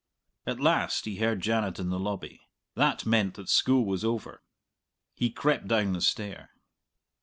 At last he heard Janet in the lobby. That meant that school was over. He crept down the stair.